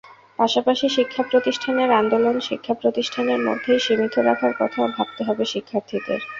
পাশাপাশি, শিক্ষাপ্রতিষ্ঠানের আন্দোলন শিক্ষাপ্রতিষ্ঠানের মধ্যেই সীমিত রাখার কথাও ভাবতে হবে শিক্ষার্থীদের।